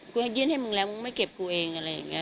ให้ยื่นให้มึงแล้วมึงไม่เก็บกูเองอะไรอย่างนี้